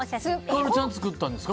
ひかるちゃんが作ったんですか？